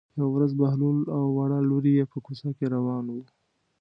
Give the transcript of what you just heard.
یوه ورځ بهلول او وړه لور یې په کوڅه کې روان وو.